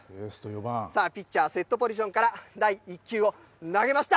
さあ、ピッチャー、セットポジションから第１球を投げました。